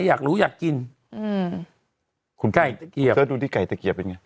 ไก่อยากรู้อยากกินอืมคุณพูดดูที่ไก่ตะเกียบเป็นยังไง